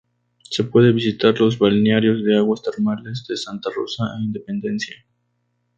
Se pueden visitar los balnearios de aguas termales de Santa Rosa, e Independencia.